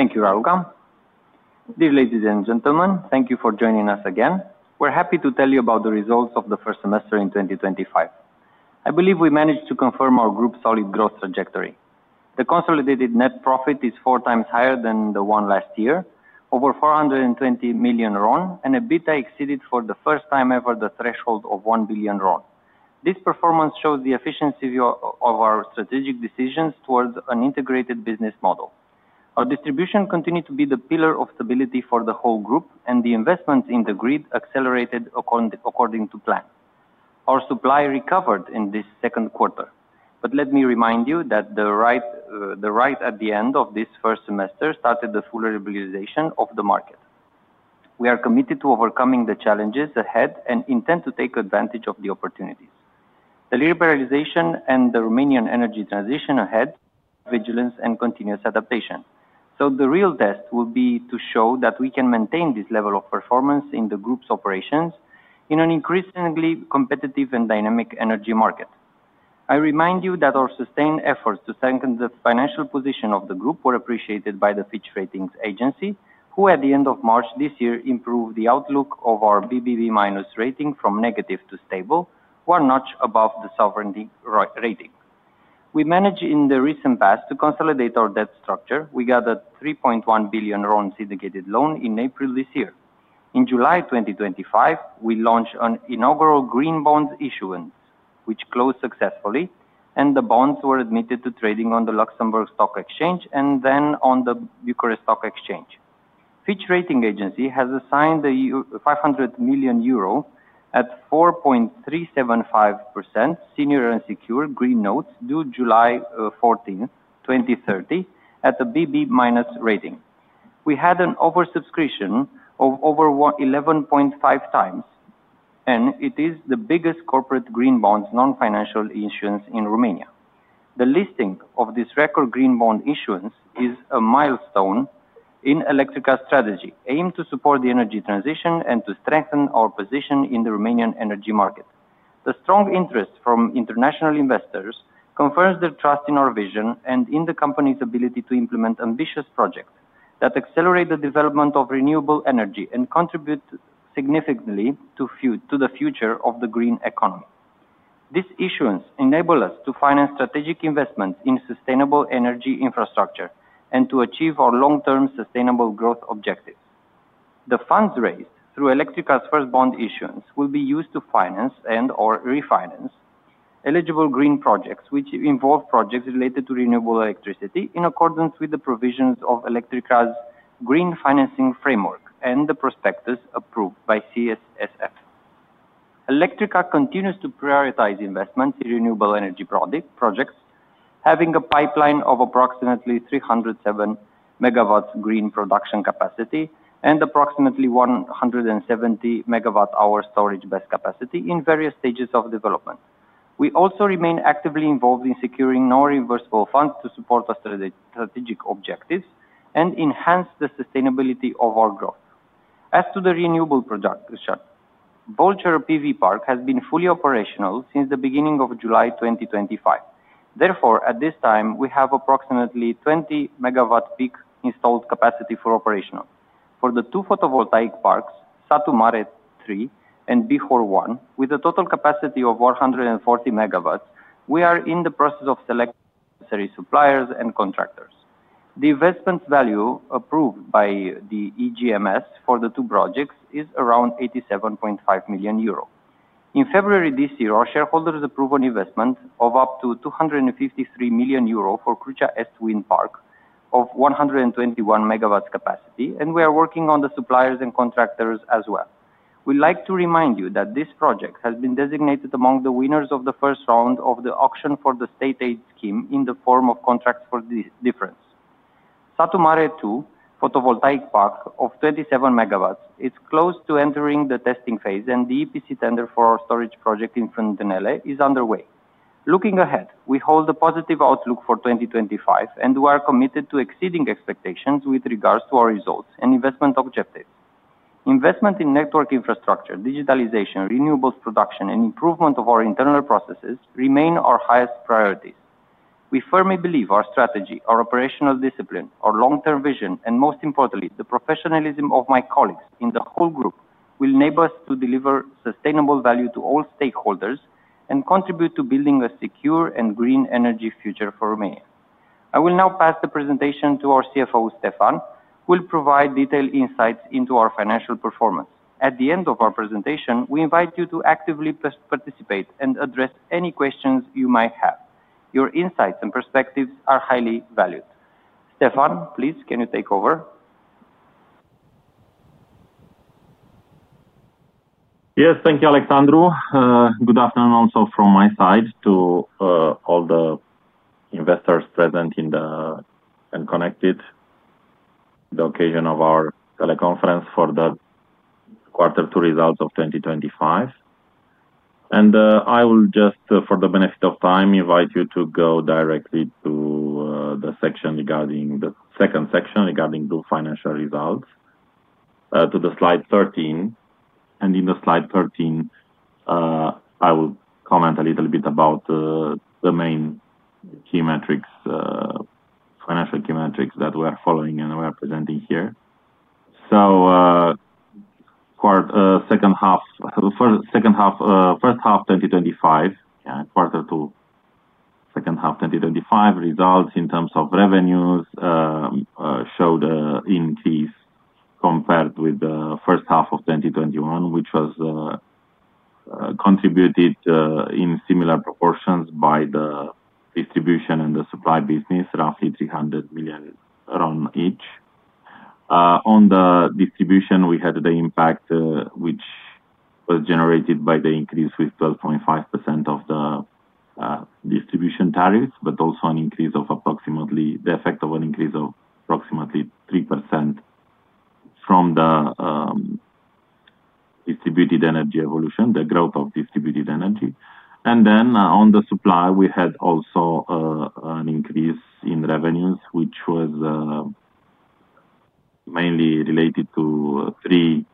Thank you, Arugam. Dear ladies and gentlemen, thank you for joining us again. We're happy to tell you about the results of the first semester in 2025. I believe we managed to confirm our group's solid growth trajectory. The consolidated net profit is four times higher than the one last year, over RON 420 million, and EBITDA exceeded for the first time ever the threshold of RON 1 billion. This performance shows the efficiency of our strategic decisions towards an integrated business model. Our distribution continued to be the pillar of stability for the whole group, and the investments in the grid accelerated according to plan. Our supply recovered in this second quarter, but let me remind you that the rise at the end of this first semester started the fuller liberalization of the market. We are committed to overcoming the challenges ahead and intend to take advantage of the opportunity. The liberalization and the Romanian energy transition ahead, vigilance and continuous adaptation. The real test will be to show that we can maintain this level of performance in the group's operations in an increasingly competitive and dynamic energy market. I remind you that our sustained efforts to strengthen the financial position of the group were appreciated by Fitch Ratings, who at the end of March this year improved the outlook of our BBB- rating from negative to stable, one notch above the sovereign ratings. We managed in the recent past to consolidate our debt structure. We gathered RON 3.1 billion syndicated loans in April this year. In July 2025, we launched an inaugural green bond issuance, which closed successfully, and the bonds were admitted to trading on the Luxembourg Stock Exchange and then on the Bucharest Stock Exchange. Fitch Ratings has assigned the 500 million euro at 4.375% senior and secure green notes due July 14, 2030 at a BB- rating. We had an oversubscription of over 11.5 times, and it is the biggest corporate green bonds non-financial issuance in Romania. The listing of this record green bond issuance is a milestone in Electrica's strategy, aimed to support the energy transition and to strengthen our position in the Romanian energy market. The strong interest from international investors confirms their trust in our vision and in the company's ability to implement ambitious projects that accelerate the development of renewable energy and contribute significantly to the future of the green economy. This issuance enables us to finance strategic investments in sustainable energy infrastructure and to achieve our long-term sustainable growth objectives. The funds raised through Electrica's first bond issuance will be used to finance and/or refinance eligible green projects, which involve projects related to renewable electricity in accordance with the provisions of Electrica's green financing framework and the prospectus approved by CSFS. Electrica continues to prioritize investments in renewable energy projects, having a pipeline of approximately 307 MW of green production capacity and approximately 170 MWh storage-based capacity in various stages of development. We also remain actively involved in securing non-reversible funds to support our strategic objectives and enhance the sustainability of our growth. As to the renewable products, Bolchero PV Park has been fully operational since the beginning of July 2025. Therefore, at this time, we have approximately 20 MW peak installed capacity for operational. For the two photovoltaic parks, Satu Mare 3 and Bihor 1, with a total capacity of 140 MW, we are in the process of selecting necessary suppliers and contractors. The investment value approved by the EGMS for the two projects is around €87.5 million. In February this year, our shareholders approved an investment of up to €253 million for Crucea Est Wind Park of 121 MW capacity, and we are working on the suppliers and contractors as well. We'd like to remind you that this project has been designated among the winners of the first round of the auction for the state-aid scheme in the form of contracts for this difference. Satu Mare 2 photovoltaic park of 27 MW is close to entering the testing phase, and the EPC tender for our storage project in Fântânele is underway. Looking ahead, we hold a positive outlook for 2025, and we are committed to exceeding expectations with regards to our results and investment objectives. Investment in network infrastructure, digitalization, renewables production, and improvement of our internal processes remain our highest priorities. We firmly believe our strategy, our operational discipline, our long-term vision, and most importantly, the professionalism of my colleagues in the whole group will enable us to deliver sustainable value to all stakeholders and contribute to building a secure and green energy future for Romania. I will now pass the presentation to our CFO, Stefan-Alexandru Frangulea, who will provide detailed insights into our financial performance. At the end of our presentation, we invite you to actively participate and address any questions you might have. Your insights and perspectives are highly valued. Stefan, please, can you take over? Yes, thank you, Alexandru. Good afternoon also from my side to all the investors present and connected at the occasion of our teleconference for the quarter two results of 2025. For the benefit of time, I invite you to go directly to the section regarding the financial results, to slide 13. In slide 13, I will comment a little bit about the main key metrics, financial key metrics that we are following and we are presenting here. Quarter two, first half 2025 results in terms of revenues showed an increase compared with the first half of 2021, which was contributed in similar proportions by the distribution and the supply business, roughly RON 300 million each. On the distribution, we had the impact which was generated by the increase with 12.5% of the distribution tariffs, but also an increase of approximately 3% from the distributed energy evolution, the growth of distributed energy. On the supply, we had also an increase in revenues, which was mainly related to three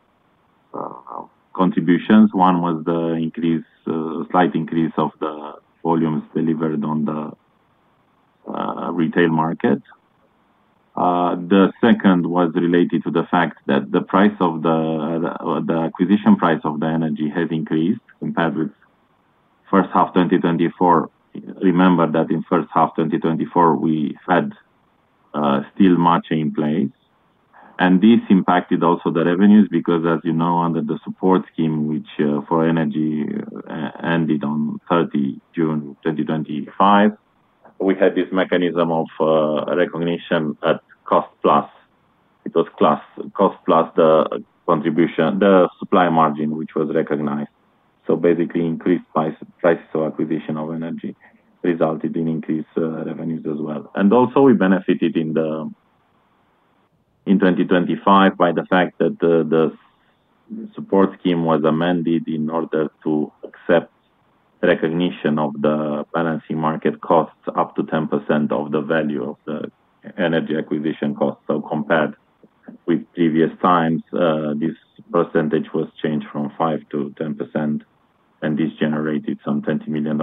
contributions. One was the slight increase of the volumes delivered on the retail market. The second was related to the fact that the acquisition price of the energy has increased compared with the first half of 2024. Remember that in the first half of 2024, we had still much in place. This impacted also the revenues because, as you know, under the support scheme, which for energy ended on 30 June 2025, we had this mechanism of recognition at cost plus. It was cost plus the contribution, the supply margin, which was recognized. Basically, increased prices of acquisition of energy resulted in increased revenues as well. We benefited in 2025 by the fact that the support scheme was amended in order to accept recognition of the balancing market costs up to 10% of the value of the energy acquisition cost. Compared with previous times, this percentage was changed from 5% to 10%, and this generated some RON 20 million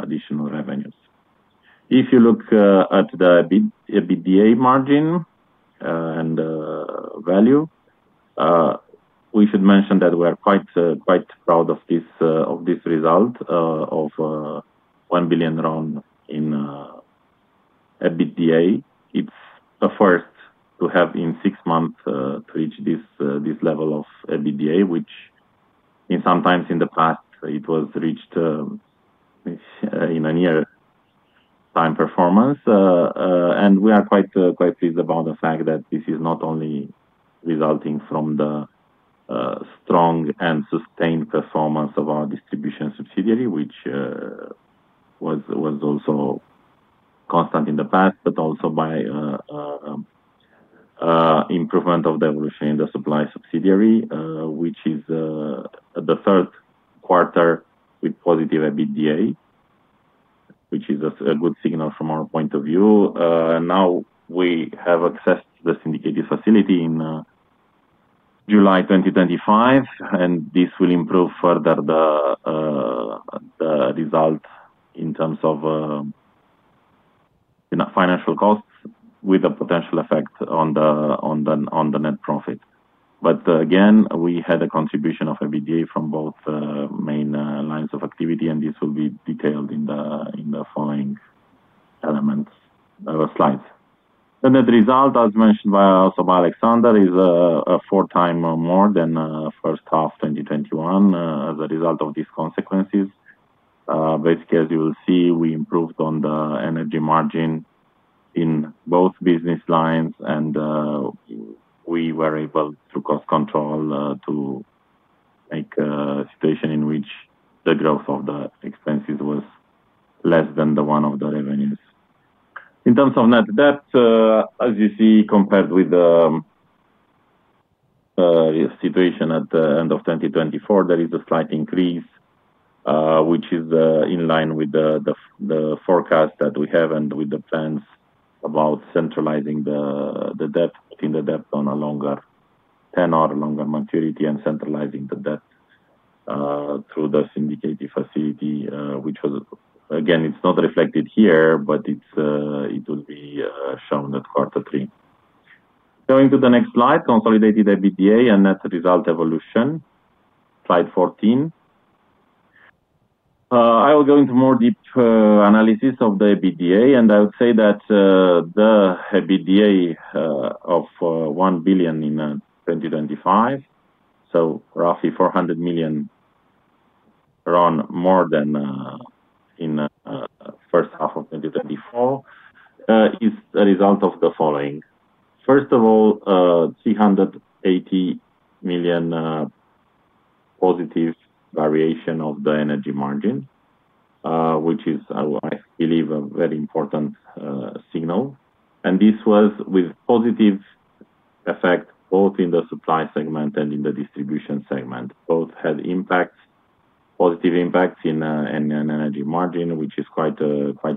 additional revenues. If you look at the EBITDA margin and the value, we should mention that we are quite proud of this result of RON 1 billion in EBITDA. It's a first to have in six months to reach this level of EBITDA, which sometimes in the past, it was reached in a near-time performance. We are quite pleased about the fact that this is not only resulting from the strong and sustained performance of our distribution subsidiary, which was also constant in the past, but also by the improvement of the evolution in the supply subsidiary, which is the third quarter with positive EBITDA, which is a good signal from our point of view. We have accessed the syndicated facility in July 2025, and this will improve further the result in terms of financial costs with a potential effect on the net profit. We had a contribution of EBITDA from both main lines of activity, and this will be detailed in the following elements of the slides. The net result, as mentioned also by Alexandru Chirita, is four times more than the first half of 2021. As a result of these consequences, basically, as you will see, we improved on the energy margin in both business lines, and we were able to cost control to make a situation in which the growth of the expenses was less than the one of the revenues. In terms of net debt, as you see, compared with the situation at the end of 2024, there is a slight increase, which is in line with the forecast that we have and with the plans about centralizing the debt in the depth on a longer tenor, longer maturity, and centralizing the debt through the syndicated facility, which was, again, it's not reflected here, but it will be shown at quarter three. Going to the next slide, consolidated EBITDA and net result evolution, slide 14. I will go into more deep analysis of the EBITDA, and I would say that the EBITDA of RON 1 billion in 2025, so roughly RON 400 million more than in the first half of 2024, is a result of the following. First of all, RON 380 million positive variation of the energy margin, which is, I believe, a very important signal. This was with positive effect both in the supply segment and in the distribution segment. Both had impacts, positive impacts in an energy margin, which is quite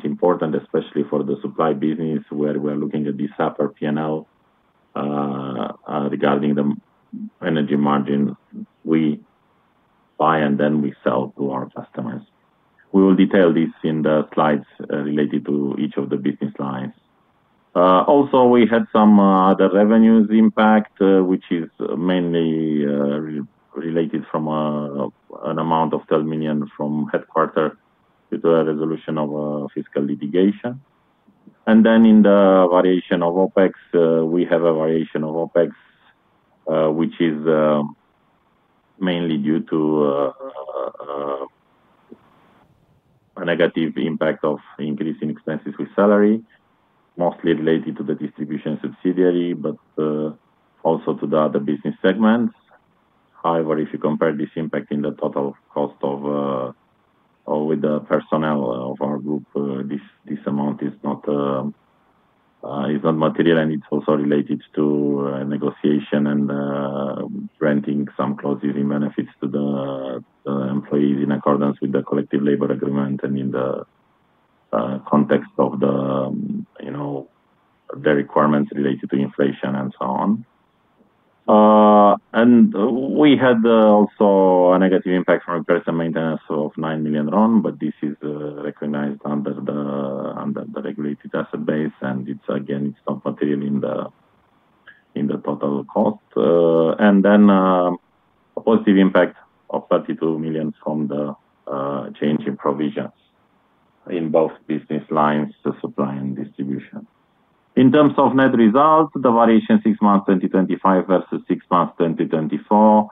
important, especially for the supply business where we're looking at this upper P&L regarding the energy margin we buy and then we sell to our customers. We will detail this in the slides related to each of the business lines. Also, we had some other revenues impact, which is mainly related from an amount of RON 12 million from headquarter due to a resolution of fiscal litigation. In the variation of OpEx, we have a variation of OpEx, which is mainly due to a negative impact of increasing expenses with salary, mostly related to the distribution subsidiary, but also to the other business segments. However, if you compare this impact in the total cost with the personnel of our group, this amount is not material, and it's also related to negotiation and renting some closing benefits to the employees in accordance with the collective labor agreement and in the context of the requirements related to inflation and so on. We had also a negative impact from operation maintenance of RON 9 million, but this is recognized under the regulated asset base, and again, it's not material in the total cost. There was a positive impact of RON 32 million from the change in provisions in both business lines, the supply and distribution. In terms of net result, the variation six months 2025 versus six months 2024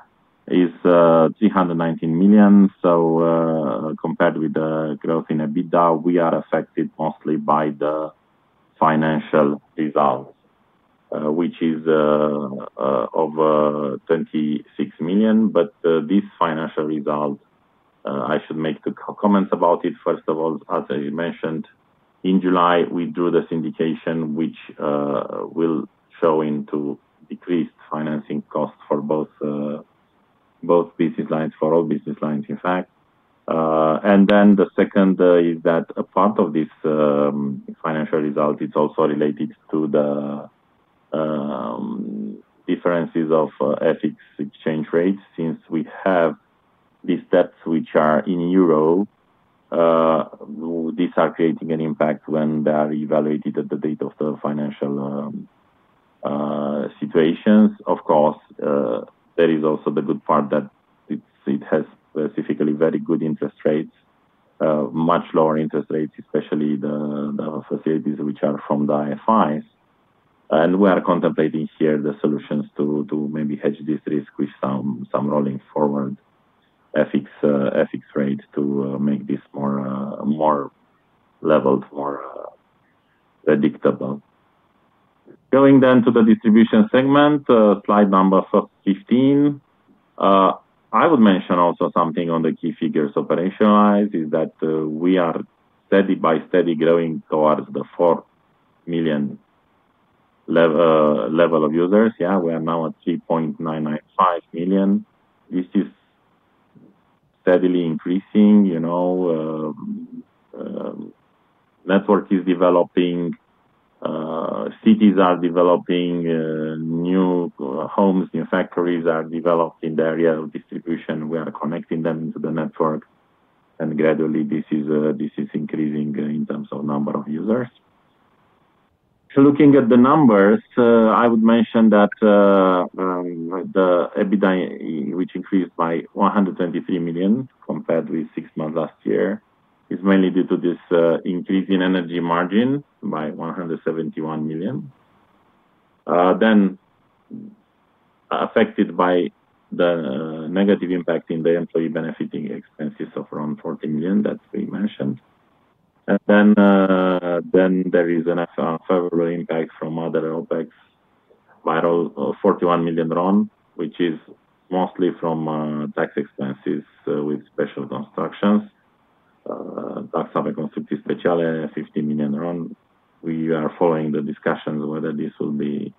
is RON 319 million. Compared with the growth in EBITDA, we are affected mostly by the financial result, which is over RON 26 million. This financial result, I should make two comments about it. First of all, as I mentioned, in July, we drew the syndication, which will show into decreased financing costs for both business lines, for all business lines, in fact. The second is that a part of this financial result is also related to the differences of FX exchange rates. Since we have these debts which are in euro, these are creating an impact when they are evaluated at the date of the financial situations. Of course, there is also the good part that it has specifically very good interest rates, much lower interest rates, especially the facilities which are from the IFIs. We are contemplating here the solutions to maybe hedge this risk, with some rolling forward FX rate to make this more leveled, more predictable. Going then to the distribution segment, slide number 15. I would mention also something on the key figures operationalized, that we are steady by steady growing towards the 4 million level of users. We are now at 3.995 million. This is steadily increasing. Network is developing. Cities are developing. New homes, new factories are developed in the area of distribution. We are connecting them into the network. Gradually, this is increasing in terms of number of users. Looking at the numbers, I would mention that the EBITDA, which increased by RON 123 million compared with six months last year, is mainly due to this increase in energy margin by RON 171 million. This was affected by the negative impact in the employee benefiting expenses of around RON 40 million that we mentioned. There is a further impact from other OpEx by around RON 41 million, which is mostly from tax expenses with special constructions. Tax of a constructive special, RON 15 million. We are following the discussions whether this will be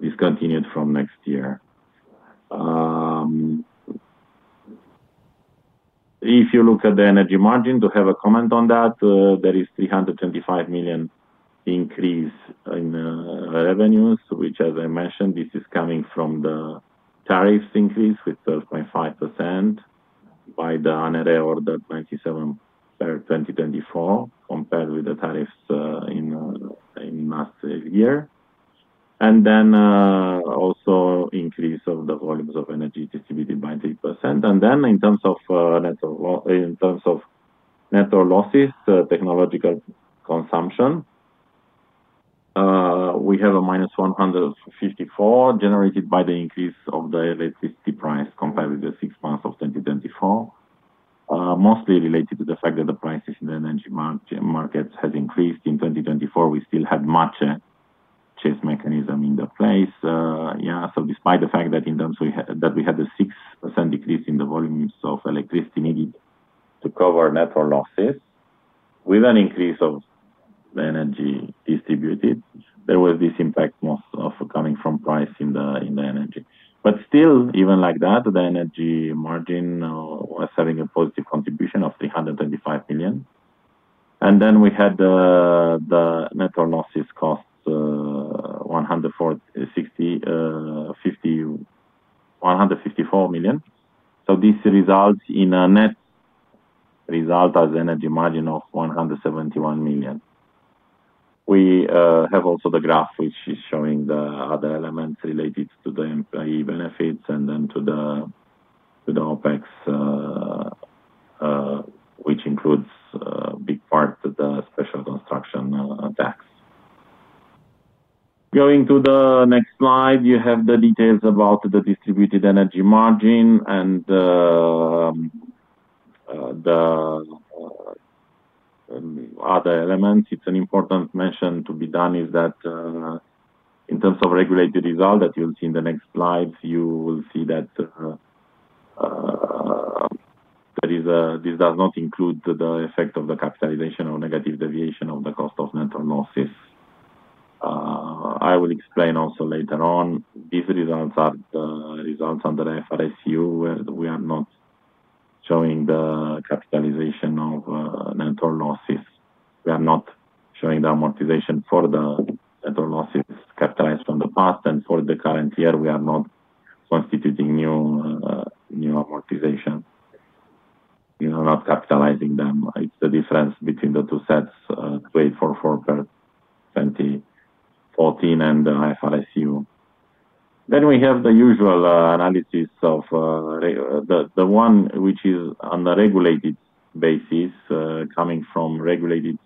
discontinued from next year. If you look at the energy margin, to have a comment on that, there is a RON 325 million increase in revenues, which, as I mentioned, is coming from the tariffs increase with 12.5% by the honorary order 27 per 2024 compared with the tariffs in the last year. There is also an increase of the volumes of energy distributed by 3%. In terms of net losses and technological consumption, we have a minus RON 154 million generated by the increase of the electricity price compared with the six months of 2024, mostly related to the fact that the prices in the energy markets have increased. In 2024, we still had much chase mechanism in place. Despite the fact that we had a 6% decrease in the volumes of electricity needed to cover net losses with an increase of the energy distributed, there was this impact mostly coming from price in the energy. Still, even like that, the energy margin was having a positive contribution of RON 325 million. We had the net losses cost RON 154 million. This results in a net result as an energy margin of RON 171 million. We have also the graph which is showing the other elements related to the employee benefits and then to the OpEx, which includes a big part of the special construction tax. Going to the next slide, you have the details about the distributed energy margin and the other elements. An important mention to be done is that in terms of regulated result that you'll see in the next slides, you will see that this does not include the effect of the capitalization or negative deviation of the cost of net losses. I will explain also later on. These results are the results under FRSU where we are not showing the capitalization of net losses. We are not showing the amortization for the net losses capitalized from the past and for the current year. We are not constituting new amortization. We are not capitalizing them. It's the difference between the two sets, 244 per 2014 and the IFRS. Then we have the usual analysis of the one which is on the regulated basis, coming from regulated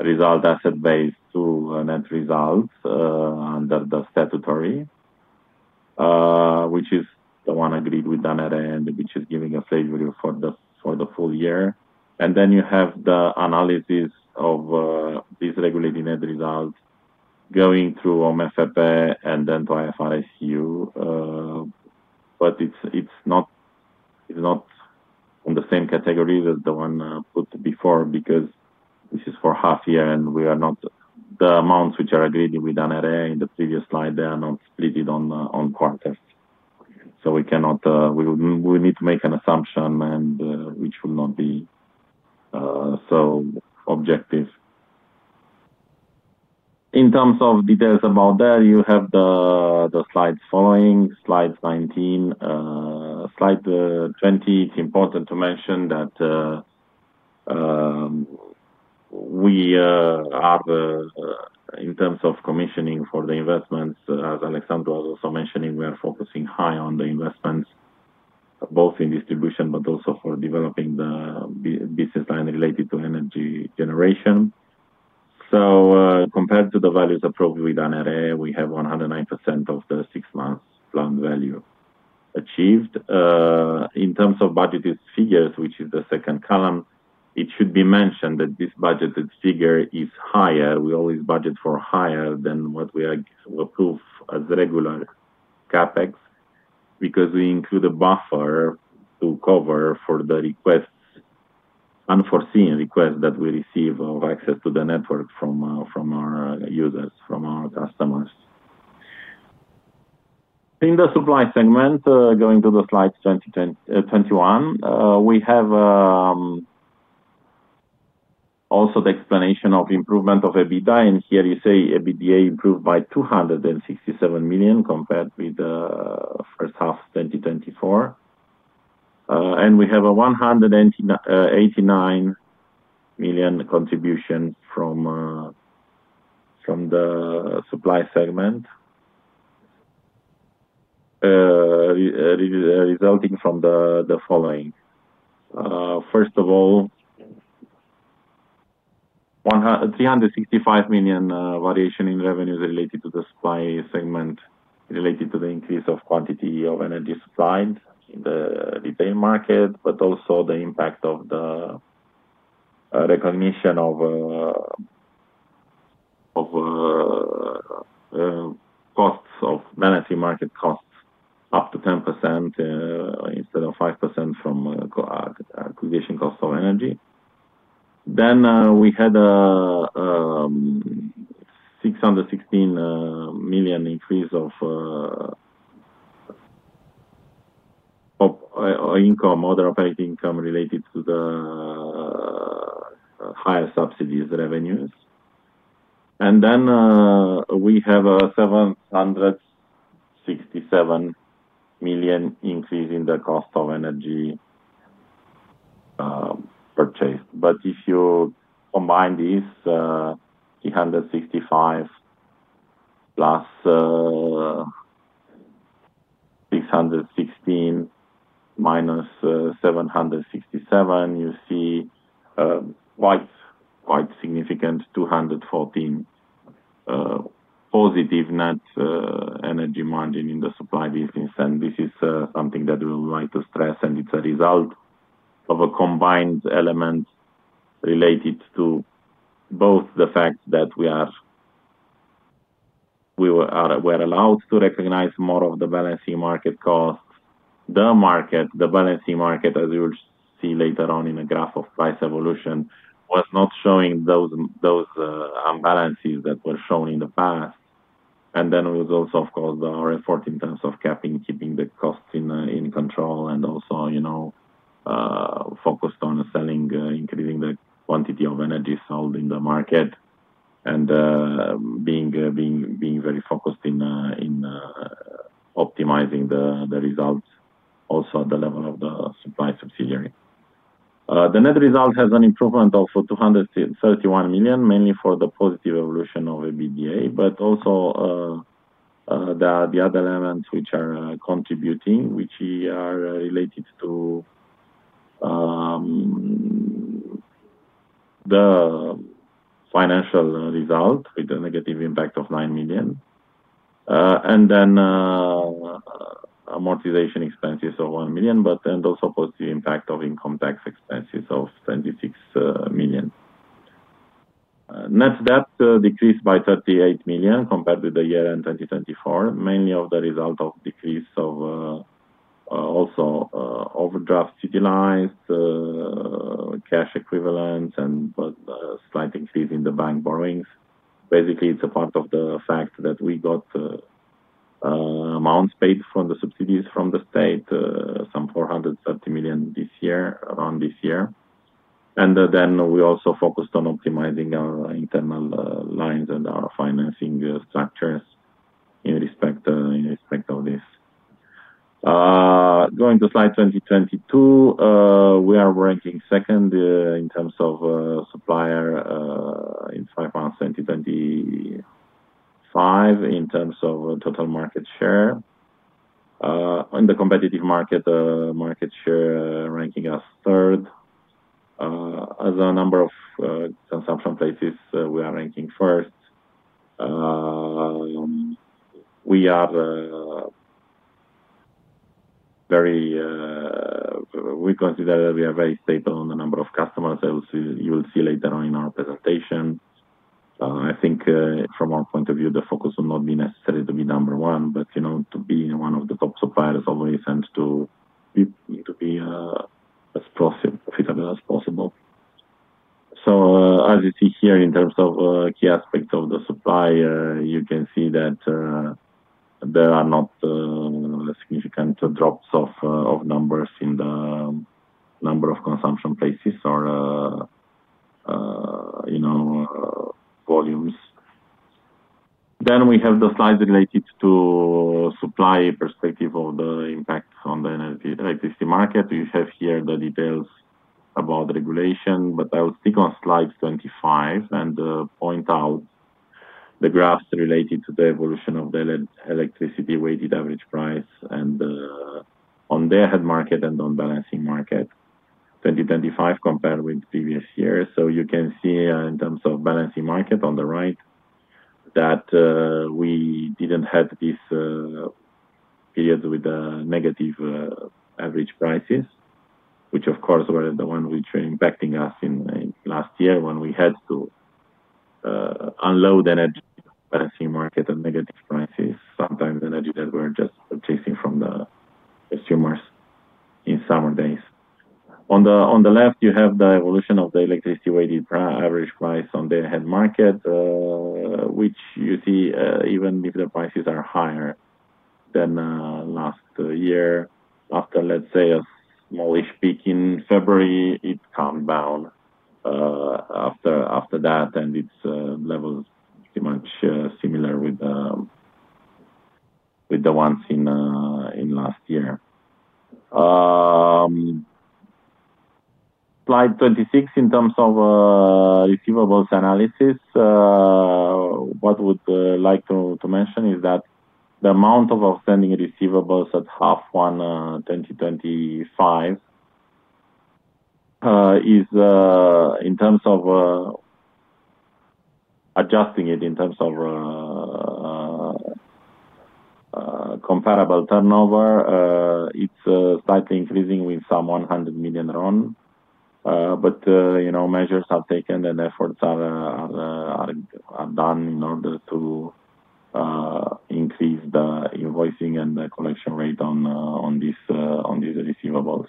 result asset base to net results under the statutory, which is the one agreed with the NRA, which is giving a safe value for the full year. You have the analysis of this regulated net result going through OMSFP and then to IFRS. It's not in the same category as the one put before because this is for half a year and we are not the amounts which are agreed with NRA in the previous slide. They are not split on quarters. We cannot, we need to make an assumption which will not be so objective. In terms of details about that, you have the slides following, slides 19, slide 20. It's important to mention that we are, in terms of commissioning for the investments, as Alexandru Chirita was also mentioning, we are focusing high on the investments, both in distribution, but also for developing the business line related to energy generation. Compared to the values approved with NRA, we have 109% of the six months planned value achieved. In terms of budgeted figures, which is the second column, it should be mentioned that this budgeted figure is higher. We always budget for higher than what we approve as regular CapEx because we include a buffer to cover for the requests, unforeseen requests that we receive of access to the network from our users, from our customers. In the supply segment, going to the slides 21, we have also the explanation of improvement of EBITDA. Here you see EBITDA improved by RON 267 million compared with the first half of 2024. We have a RON 189 million contribution from the supply segment resulting from the following. First of all, RON 365 million variation in revenues related to the supply segment related to the increase of quantity of energy supplied in the retail market, but also the impact of the recognition of costs of balancing market costs up to 10% instead of 5% from acquisition costs of energy. We had a RON 616 million increase of income, other operating income related to the higher subsidies revenues. We have a RON 767 million increase in the cost of energy purchased. If you combine this, 365 plus 616 minus 767, you see quite significant RON 214 million positive net energy margin in the supply distance. This is something that we would like to stress, and it's a result of a combined element related to both the fact that we were allowed to recognize more of the balancing market cost. The market, the balancing market, as you will see later on in a graph of price evolution, was not showing those unbalances that were shown in the past. It was also, of course, the RFR in terms of keeping the costs in control and also focused on selling, increasing the quantity of energy sold in the market and being very focused in optimizing the results also at the level of the supply subsidiary. The net result has an improvement of €231 million, mainly for the positive evolution of EBITDA, but also the other elements which are contributing, which are related to the financial result with a negative impact of €9 million. Amortization expenses of €1 million, but also positive impact of income tax expenses of €26 million. Net debt decreased by €38 million compared with the year end 2024, mainly as the result of decrease of also overdraft city lines, cash equivalents, and a slight increase in the bank borrowings. Basically, it's a part of the fact that we got amounts paid from the subsidies from the state, some €430 million this year, around this year. We also focused on optimizing our internal lines and our financing structures in respect of this. Going to slide 2022, we are ranking second in terms of supplier in five months 2025 in terms of total market share. In the competitive market, market share ranking us third. As a number of consumption places, we are ranking first. We consider that we are very stable on the number of customers as you will see later on in our presentation. I think from our point of view, the focus will not be necessarily to be number one, but to be one of the top suppliers always and to be as profitable as possible. As you see here in terms of key aspects of the supply, you can see that there are not significant drops of numbers in the number of consumption places or volumes. We have the slides related to supply perspective of the impact on the electricity market. You have here the details about regulation, but I would pick on slides 25 and point out the graphs related to the evolution of the electricity weighted average price and on the head market and on the balancing market 2025 compared with previous years. You can see in terms of balancing market on the right that we didn't have these periods with negative average prices, which of course were the ones which were impacting us in last year when we had to unload energy balancing market and negative prices, sometimes energy that we're just purchasing from the consumers in summer days. On the left, you have the evolution of the electricity weighted average price on the head market, which you see even if the prices are higher than last year. After, let's say, a smallish peak in February, it calmed down after that, and its level is pretty much similar with the ones in last year. Slide 26 in terms of receivables analysis. What I would like to mention is that the amount of outstanding receivables at half one 2025 is in terms of adjusting it in terms of comparable turnover. It's slightly increasing with some RON 100 million, but measures are taken and efforts are done in order to increase the invoicing and the collection rate on these receivables.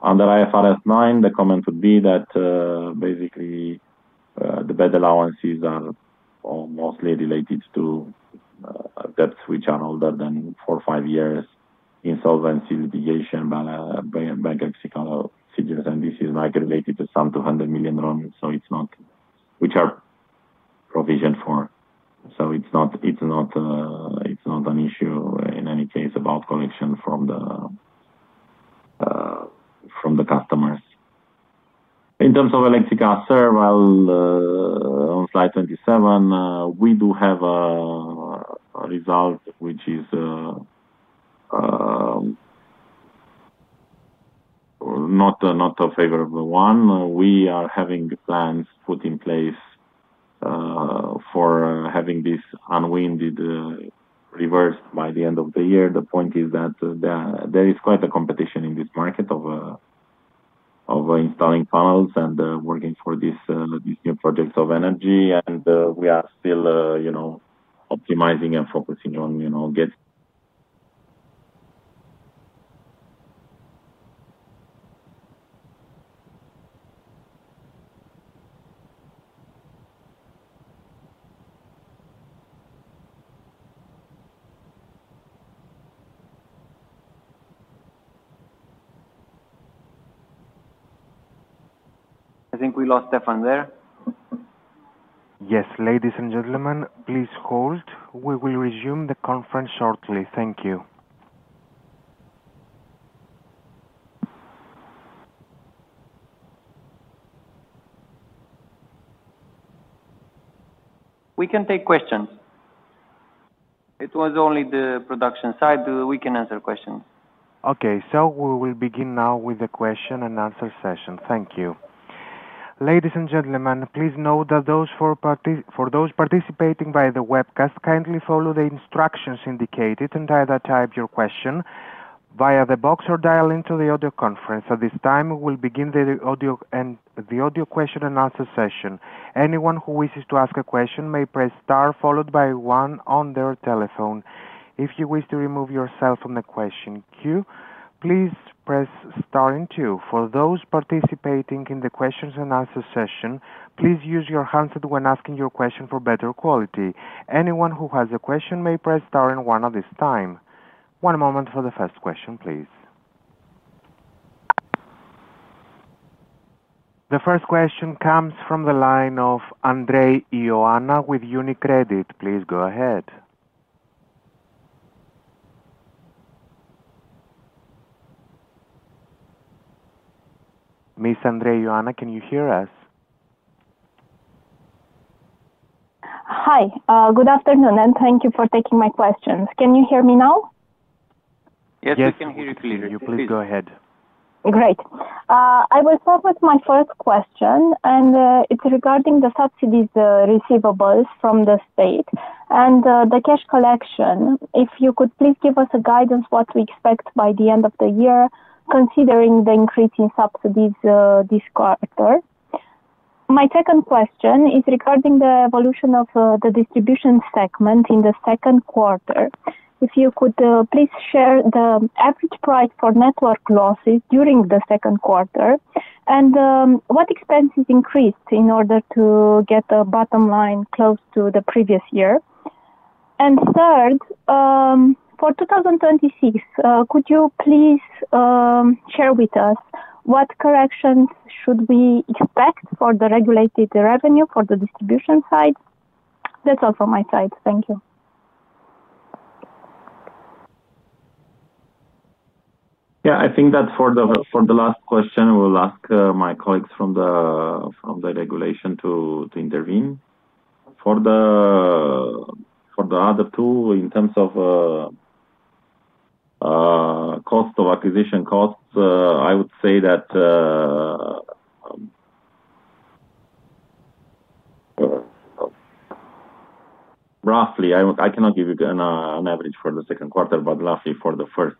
Under IFRS 9, the comment would be that basically the bad allowances are mostly related to debts which are older than four or five years, insolvency, litigation, bank exit procedures, and this is likely related to some RON 200 million, which are provisioned for. It's not an issue in any case about collection from the customers. In terms of Electrica asset, on slide 27, we do have a result which is not a favorable one. We are having plans put in place for having this unwinded reversed by the end of the year. The point is that there is quite a competition in this market of installing tunnels and working for these new projects of energy, and we are still optimizing and focusing on getting. I think we lost Stefan there. Yes, ladies and gentlemen, please hold. We will resume the conference shortly. Thank you. We can take questions. It was only the production side. We can answer questions. Okay, we will begin now with the question and answer session. Thank you. Ladies and gentlemen, please note that for those participating via the webcast, kindly follow the instructions indicated and either type your question via the box or dial into the audio conference. At this time, we will begin the audio and the question and answer session. Anyone who wishes to ask a question may press star followed by one on their telephone. If you wish to remove yourself from the question queue, please press star and two. For those participating in the question and answer session, please use your handset when asking your question for better quality. Anyone who has a question may press star and one at this time. One moment for the first question, please. The first question comes from the line of Ioana Andrei with UniCredit. Please go ahead. Ms. Ioana Andrei, can you hear us? Hi, good afternoon, and thank you for taking my questions. Can you hear me now? Yes, we can hear you clearly. Please go ahead. Great. I will start with my first question, and it's regarding the subsidy receivables from the state and the cash collection. If you could please give us a guidance on what to expect by the end of the year, considering the increase in subsidies this quarter. My second question is regarding the evolution of the distribution segment in the second quarter. If you could please share the average price for network losses during the second quarter and what expenses increased in order to get the bottom line close to the previous year. For 2026, could you please share with us what corrections should we expect for the regulated revenue for the distribution side? That's also my side. Thank you. I think that for the last question, I'll ask my colleagues from the regulation to intervene. For the other two, in terms of acquisition costs, I would say that roughly, I cannot give you an average for the second quarter, but roughly for the first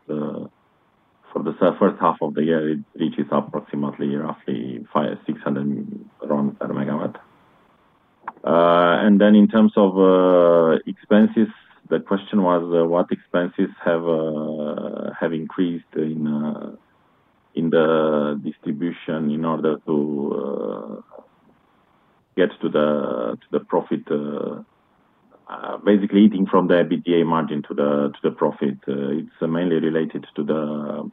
half of the year, it reaches approximately 600 RON per megawatt. In terms of expenses, the question was what expenses have increased in the distribution in order to get to the profit, basically eating from the EBITDA margin to the profit. It's mainly related to the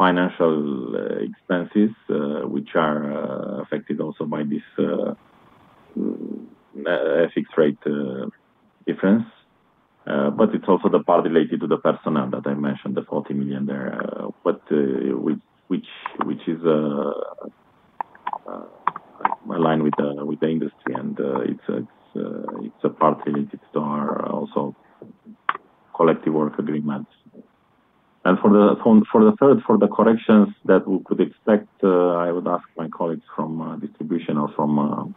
financial expenses, which are affected also by this fixed rate difference. It's also the part related to the personnel that I mentioned, the 40 million there, which is aligned with the industry, and it's a part related to our collective work agreements. For the corrections that we could expect, I would ask my colleagues from distribution or from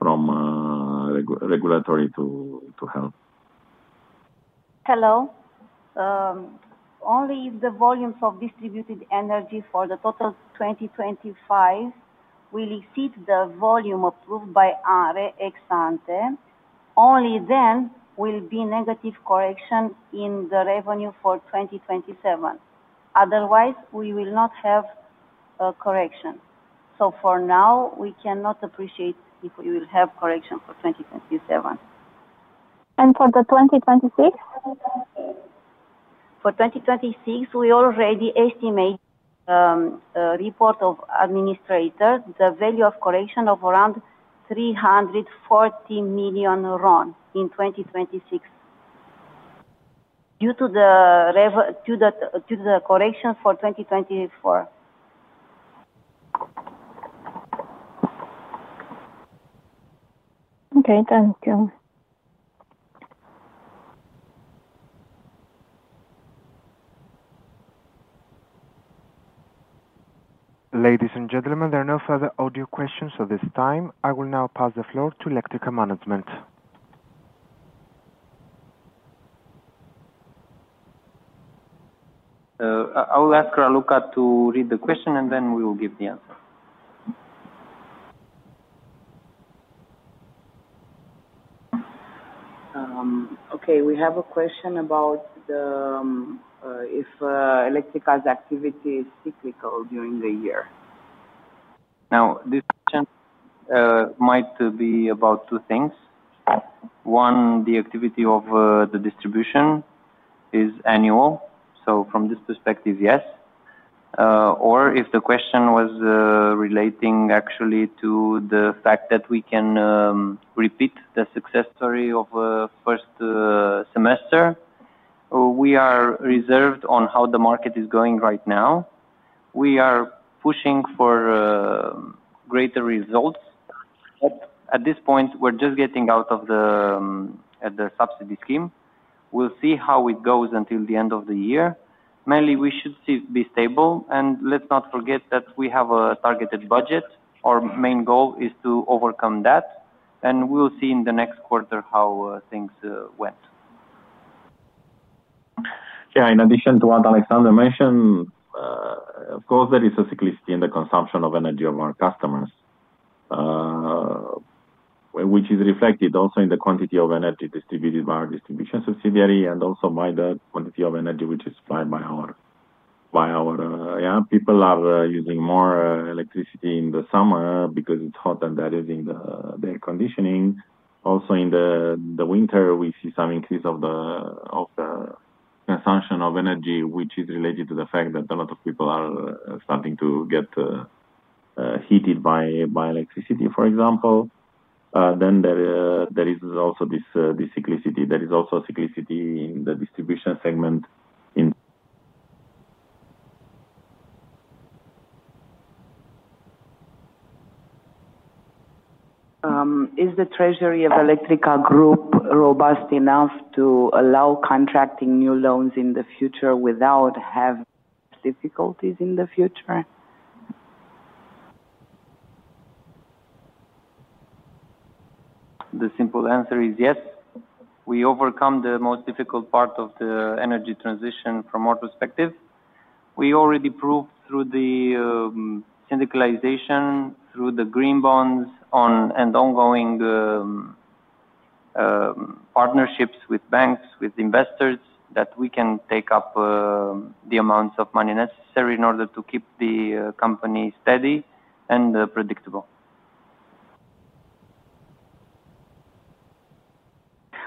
regulatory to help. Hello. Only the volumes of distributed energy for the total of 2025 will exceed the volume approved by ANRE ex ante. Only then will be negative correction in the revenue for 2027. Otherwise, we will not have a correction. For now, we cannot appreciate if we will have correction for 2027. For the 2026? For 2026, we already estimate a report of administrators, the value of correction of around RON 340 million in 2026 due to the correction for 2024. Okay, thank you. Ladies and gentlemen, there are no further audio questions at this time. I will now pass the floor to Electrica management. I'll ask Raluca Kasap to read the question, and then we will give the answer. Okay, we have a question about if Electrica activity is cyclical during the year. Now, this might be about two things. One, the activity of the distribution is annual. So from this perspective, yes. If the question was relating actually to the fact that we can repeat the success story of the first semester, we are reserved on how the market is going right now. We are pushing for greater results. At this point, we're just getting out of the subsidy scheme. We'll see how it goes until the end of the year. Mainly, we should be stable. Let's not forget that we have a targeted budget. Our main goal is to overcome that. We'll see in the next quarter how things went. In addition to what Alexandru mentioned, of course, there is a cyclicity in the consumption of energy of our customers, which is reflected also in the quantity of energy distributed by our distribution subsidiary and also by the quantity of energy which is supplied by our company. People are using more electricity in the summer because it's hot and they're using the air conditioning. Also, in the winter, we see some increase of the consumption of energy, which is related to the fact that a lot of people are starting to get heated by electricity, for example. There is also this cyclicity. There is also a cyclicity in the distribution segment. Is the treasury of Electrica Group robust enough to allow contracting new loans in the future without having difficulties in the future? The simple answer is yes. We overcome the most difficult part of the energy transition from our perspective. We already proved through the syndication, through the green bonds, and ongoing partnerships with banks, with investors, that we can take up the amounts of money necessary in order to keep the company steady and predictable.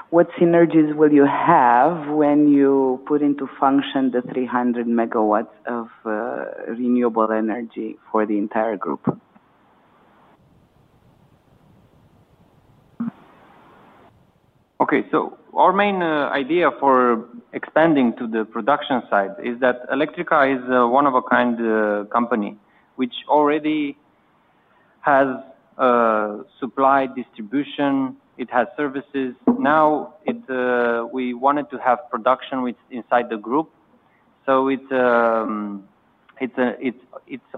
What synergies will you have when you put into function the 300 MW of renewable energy for the entire group? Okay, so our main idea for expanding to the production side is that Electrica is a one-of-a-kind company which already has supply distribution. It has services. Now, we wanted to have production inside the group, so it's its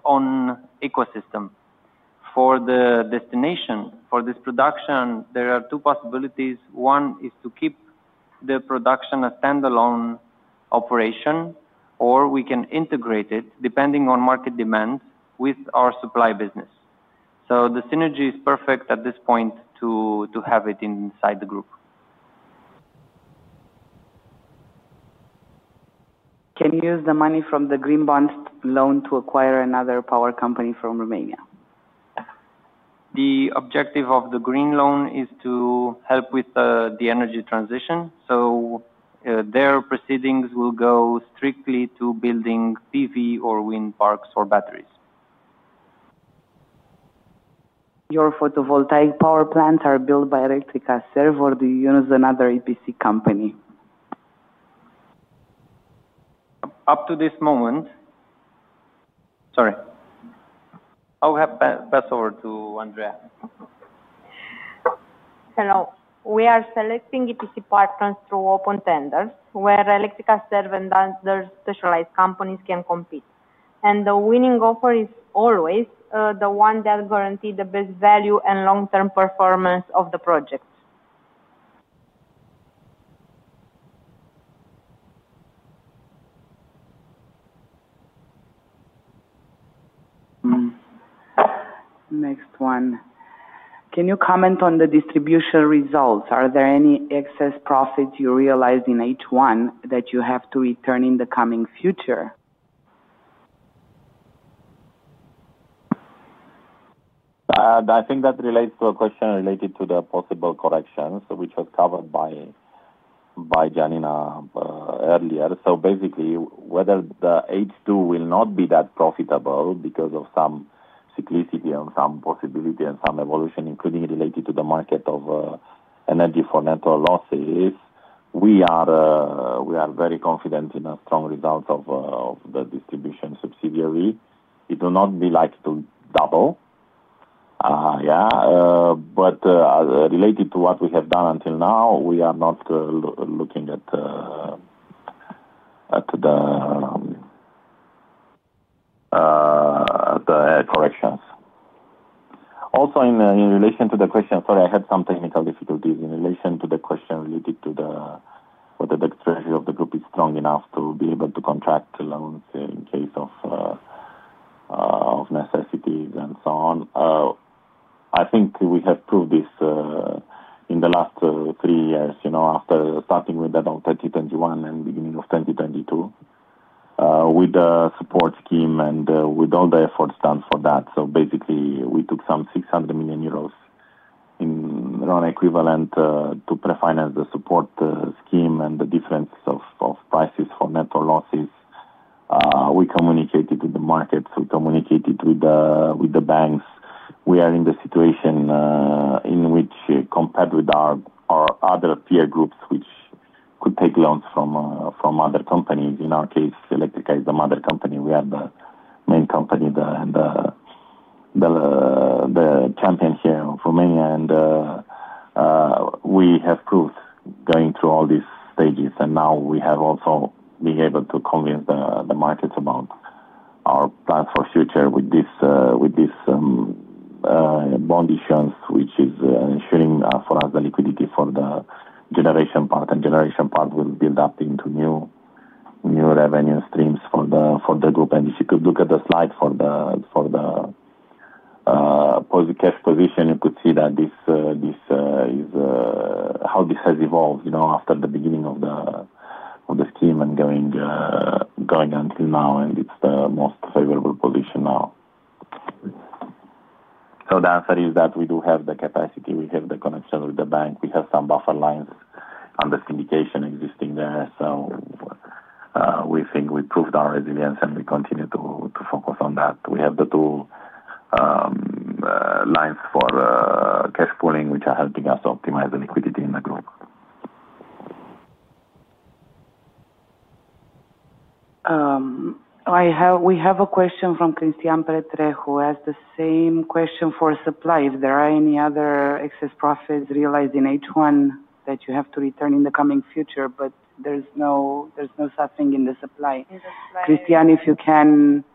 own ecosystem. For the destination for this production, there are two possibilities. One is to keep the production a standalone operation, or we can integrate it depending on market demand with our supply business. The synergy is perfect at this point to have it inside the group. Can you use the money from the green bond loan to acquire another power company from Romania? The objective of the green loan is to help with the energy transition. Their proceeds will go strictly to building photovoltaic or wind parks or batteries. Your photovoltaic power plants are built by Electrica Serve, or do you use another EPC company? Up to this moment, I'll pass over to Andrei. Hello. We are selecting EPC partners through open tenders where Electrica Serv and other specialized companies can compete. The winning offer is always the one that guarantees the best value and long-term performance of the project. Next one. Can you comment on the distribution results? Are there any excess profits you realized in H1 that you have to return in the coming future? I think that relates to a question related to the possible corrections, which was covered by Janina earlier. Basically, whether the H2 will not be that profitable because of some cyclicity and some possibility and some evolution, including related to the market of energy for net losses, we are very confident in a strong result of the distribution subsidiary. It will not be like to double, yeah, but related to what we have done until now, we are not looking at corrections. Also, in relation to the question, sorry, I had some technical difficulties in relation to the question related to whether the treasury of the group is strong enough to be able to contract loans in case of necessities and so on. I think we have proved this in the last three years, you know, after starting with that of 2021 and the beginning of 2022 with the support scheme and with all the efforts done for that. Basically, we took some €600 million in RON equivalent to pre-finance the support scheme and the difference of prices for net losses. We communicated with the markets. We communicated with the banks. We are in the situation in which, compared with our other peer groups, which could take loans from other companies, in our case, Electrica is the mother company. We are the main company and the champion here of Romania. We have proved going through all these stages. Now we have also been able to convince the markets about our plans for future with these bond issuances, which is ensuring for us the liquidity for the generation part. Generation part will build up into new revenue streams for the group. If you could look at the slide for the cash position, you could see that this is how this has evolved, you know, after the beginning of the scheme and going until now. It's the most favorable position now. The answer is that we do have the capacity. We have the connection with the bank. We have some buffer lines under syndication existing there. We think we proved our resilience and we continue to focus on that. We have the two lines for cash pooling, which are helping us to optimize the liquidity in the group. We have a question from Christian Petre, who has the same question for supply. If there are any other excess profits realized in H1 that you have to return in the coming future, but there's no such thing in the supply. Christian, if you can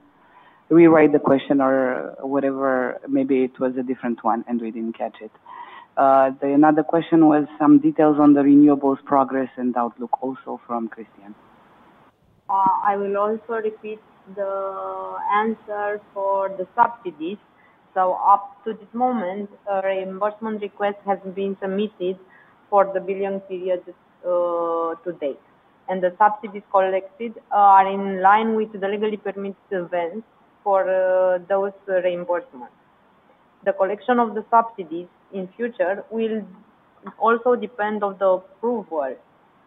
rewrite the question or whatever, maybe it was a different one and we didn't catch it. Another question was some details on the renewables progress and outlook also from Christian. I will also repeat the answer for the subsidies. Up to this moment, a reimbursement request has been submitted for the billing period to date, and the subsidies collected are in line with the legally permitted events for those reimbursements. The collection of the subsidies in the future will also depend on the approval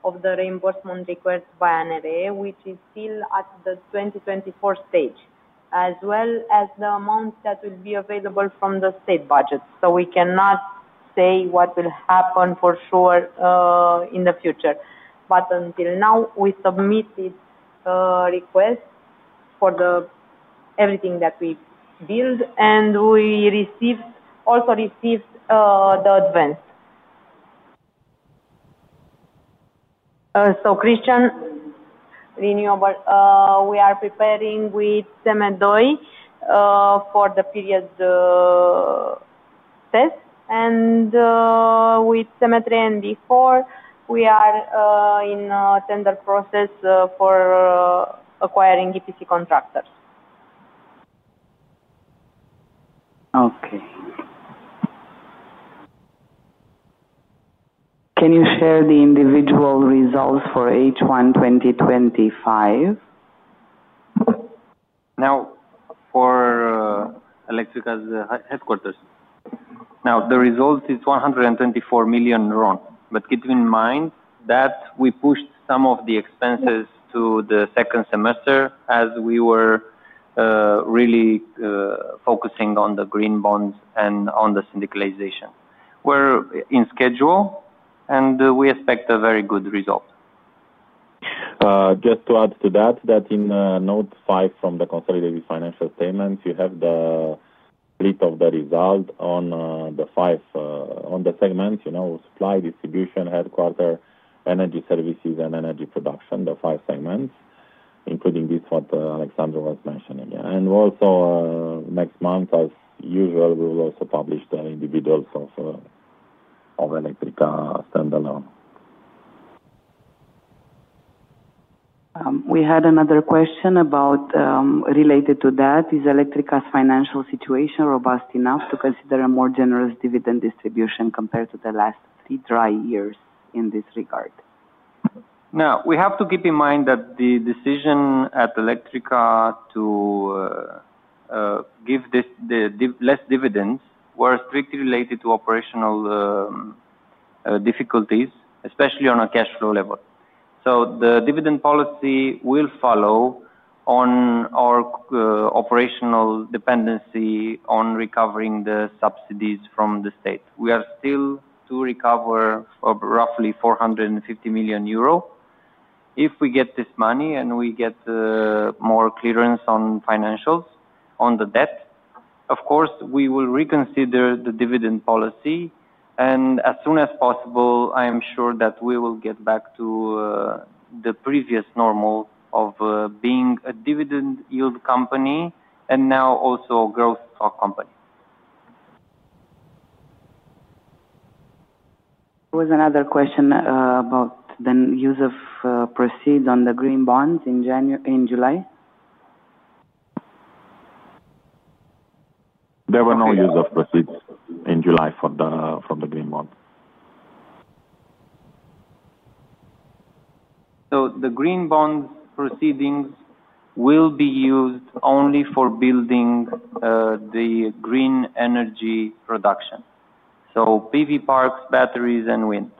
of the reimbursement request by NRA, which is still at the 2024 stage, as well as the amount that will be available from the state budget. We cannot say what will happen for sure in the future. Until now, we submitted requests for everything that we build and we also received the advance. Christian, renewable, we are preparing with Semedoy for the period test. With Semedoy and B4, we are in a tender process for acquiring EPC contractors. Okay. Can you share the individual results for H1 2025? Now, for Electrica's headquarters, the result is RON 124 million. Keep in mind that we pushed some of the expenses to the second semester as we were really focusing on the green bonds and on the syndication. We're on schedule and we expect a very good result. Just to add to that, in note five from the consolidated financial statements, you have the split of the result on the five segments: supply, distribution, headquarter, energy services, and energy production. The five segments include this, what Alexandru was mentioning. Also, next month, as usual, we will publish the individuals of Electrica standalone. We had another question related to that. Is Electrica's financial situation robust enough to consider a more generous dividend distribution compared to the last three dry years in this regard? Now, we have to keep in mind that the decision at Electrica to give less dividends was strictly related to operational difficulties, especially on a cash flow level. The dividend policy will follow on our operational dependency on recovering the subsidies from the state. We are still to recover roughly €450 million. If we get this money and we get more clearance on financials on the debt, of course, we will reconsider the dividend policy. As soon as possible, I am sure that we will get back to the previous normal of being a dividend yield company and now also a growth stock company. There was another question about the use of proceeds on the Electrica green bond in July. There were no use of proceeds in July for the green bond. The green bonds proceedings will be used only for building the green energy production, so PV parks, batteries, and wind.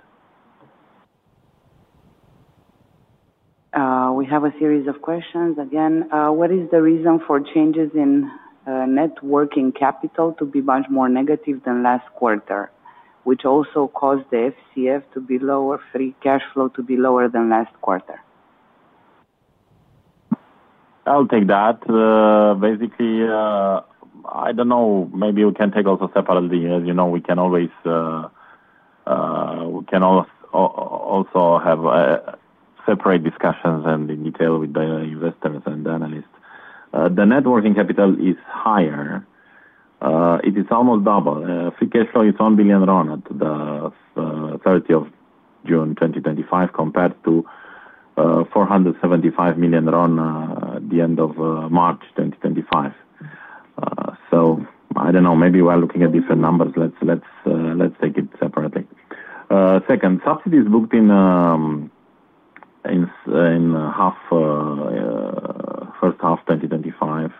We have a series of questions. Again, what is the reason for changes in net working capital to be much more negative than last quarter, which also caused the FCF to be lower, free cash flow to be lower than last quarter? I'll take that. Basically, I don't know. Maybe we can take also separately. As you know, we can always also have separate discussions in detail with the investors and analysts. The networking capital is higher. It is almost double. Free cash flow is RON 1 billion at the 30th of June 2025 compared to RON 475 million at the end of March 2025. I don't know. Maybe we are looking at different numbers. Let's take it separately. Second, subsidies booked in first half 2025,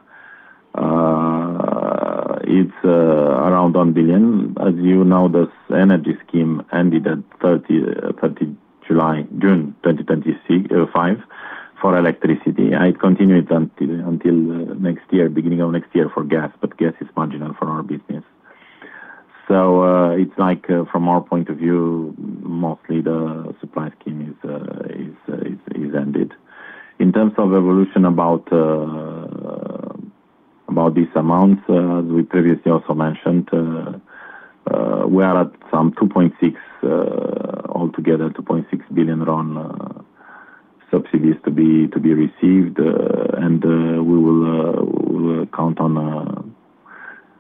it's around RON 1 billion. As you know, this energy scheme ended at 30 June 2025 for electricity. It continued until the beginning of next year for gas, but gas is marginal for our business. From our point of view, mostly the supply scheme is ended. In terms of evolution about these amounts, as we previously also mentioned, we are at some RON 2.6 billion altogether, RON 2.6 billion subsidies to be received.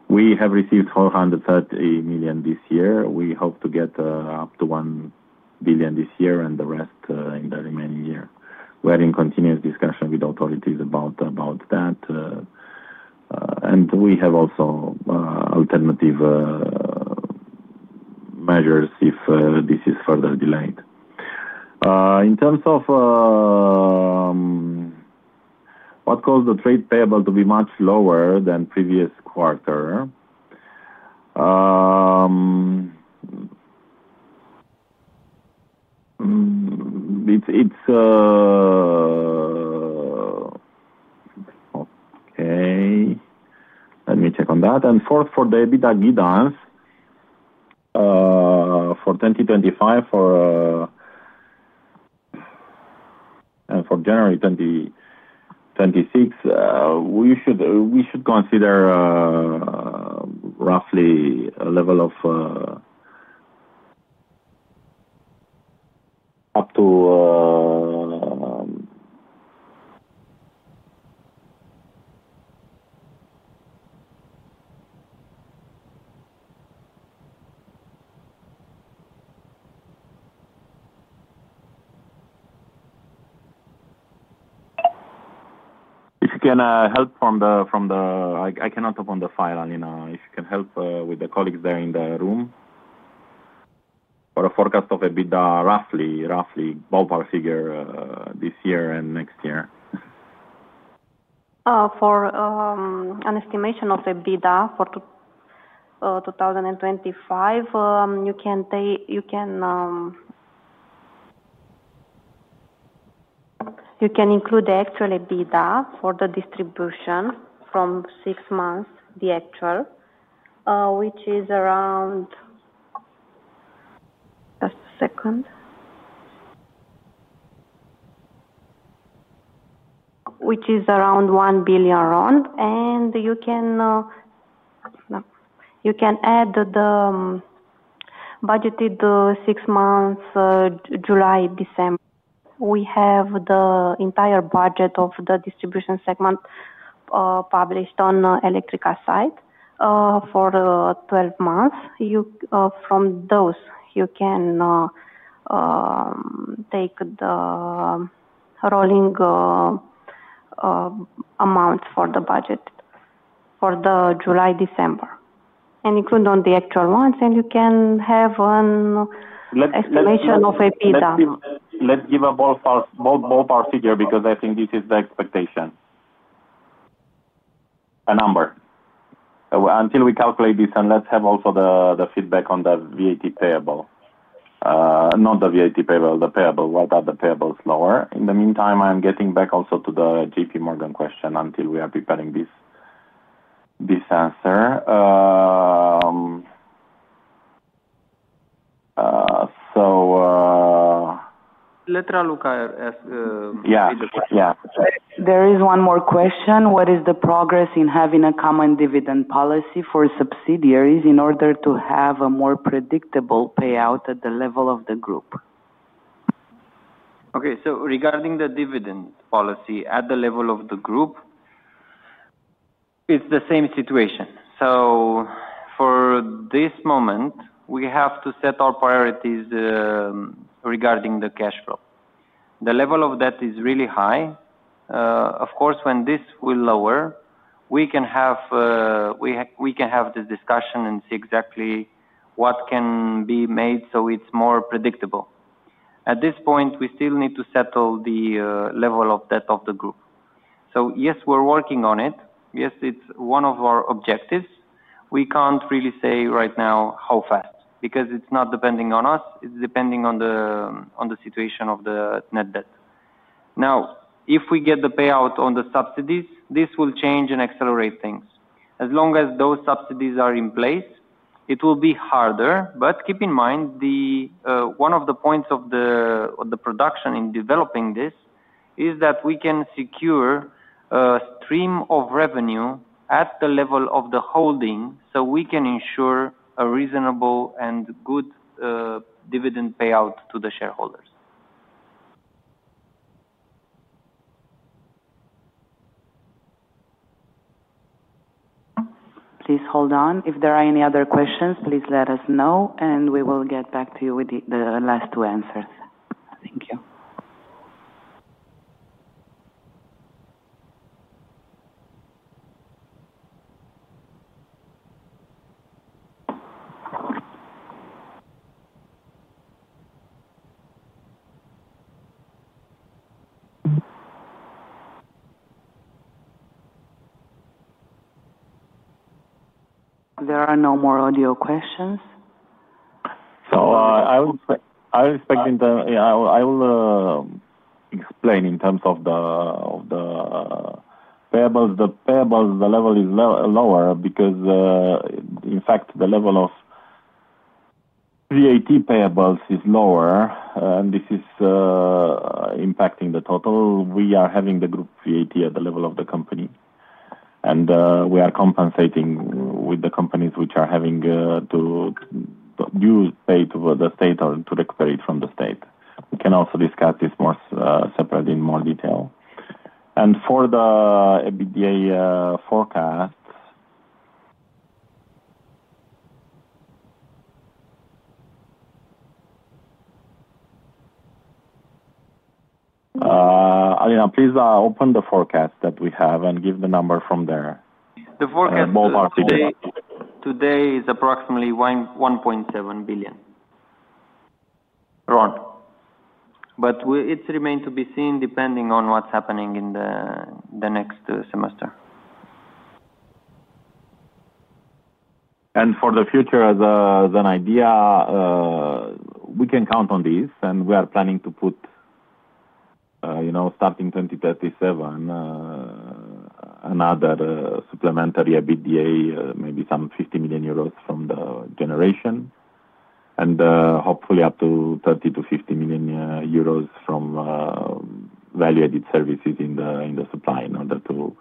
We have received RON 430 million this year. We hope to get up to RON 1 billion this year and the rest in the remaining year. We are in continuous discussion with authorities about that. We have also alternative measures if this is further delayed. In terms of what caused the trade payable to be much lower than previous quarter, it's okay. Let me check on that. Fourth, for debit agreements for 2025 and for January 2026, we should consider roughly a level of up to, if you can help from the, I cannot open the file. If you can help with the colleagues there in the room for a forecast of EBITDA, roughly ballpark figure this year and next year. For an estimation of EBITDA for 2025, you can include the actual EBITDA for the distribution from six months, the actual, which is around, just a second, which is around 1 billion RON. You can add the budgeted six months, July to December. We have the entire budget of the distribution segment published on the Electrica site for 12 months. From those, you can take the rolling amounts for the budget for July to December. Include on the actual ones, and you can have an estimation of EBITDA. Let's give a ballpark figure because I think this is the expectation, a number. Until we calculate this, let's have also the feedback on the VAT payable, not the VAT payable, the payable. Why are the payables lower? In the meantime, I'm getting back also to the JP Morgan question until we are preparing this answer. Let Raluca Kasap ask the question. There is one more question. What is the progress in having a common dividend policy for subsidiaries in order to have a more predictable payout at the level of the group? Okay, regarding the dividend policy at the level of the group, it's the same situation. For this moment, we have to set our priorities regarding the cash flow. The level of debt is really high. Of course, when this will lower, we can have this discussion and see exactly what can be made so it's more predictable. At this point, we still need to settle the level of debt of the group. Yes, we're working on it. Yes, it's one of our objectives. We can't really say right now how fast because it's not depending on us. It's depending on the situation of the net debt. If we get the payout on the subsidies, this will change and accelerate things. As long as those subsidies are in place, it will be harder. Keep in mind, one of the points of the production in developing this is that we can secure a stream of revenue at the level of the holding so we can ensure a reasonable and good dividend payout to the shareholders. Please hold on. If there are any other questions, please let us know, and we will get back to you with the last two answers. Thank you. There are no more audio questions. I expect in terms of the payables, the payables, the level is lower because, in fact, the level of VAT payables is lower, and this is impacting the total. We are having the group VAT at the level of the company, and we are compensating with the companies which are having to pay to the state or to recuperate from the state. We can also discuss this more separately in more detail. For the EBITDA forecast, Alina, please open the forecast that we have and give the number from there. The forecast for the state today is approximately RON 1.7 billion. Right. It remains to be seen depending on what's happening in the next semester. For the future, as an idea, we can count on this, and we are planning to put, you know, starting 2037, another supplementary EBITDA, maybe some €50 million from the generation, and hopefully up to €30 to €50 million from value-added services in the supply in order to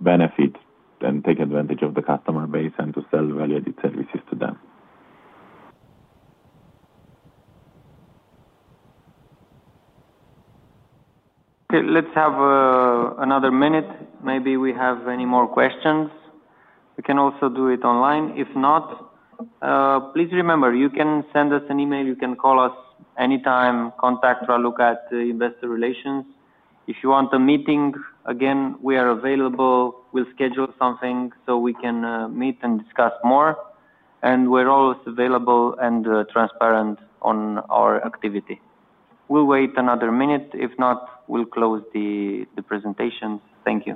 benefit and take advantage of the customer base and to sell value-added services to them. Okay, let's have another minute. Maybe we have any more questions. We can also do it online. If not, please remember, you can send us an email. You can call us anytime. Contact Raluca at Investor Relations. If you want a meeting, again, we are available. We'll schedule something so we can meet and discuss more. We're always available and transparent on our activity. We'll wait another minute. If not, we'll close the presentation. Thank you.